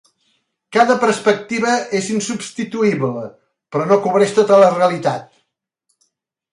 Cada perspectiva és insubstituïble, però no cobreix tota la realitat.